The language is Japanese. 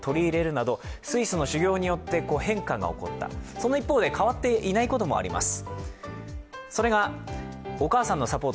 その一方で変わっていないこともあります。